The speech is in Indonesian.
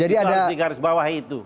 itu harus di garis bawah itu